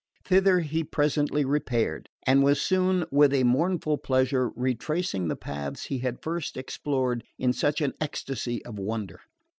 Thither he presently repaired; and was soon, with a mournful pleasure, retracing the paths he had first explored in such an ecstasy of wonder.